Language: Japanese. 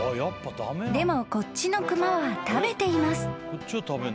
［でもこっちの熊は食べています］